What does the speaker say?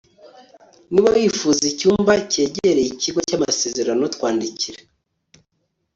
niba wifuza icyumba cyegereye ikigo cy'amasezerano, twandikire